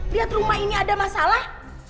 lihat rumah ini ada masalah